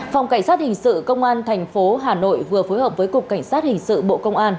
phòng cảnh sát hình sự công an tp hà nội vừa phối hợp với cục cảnh sát hình sự bộ công an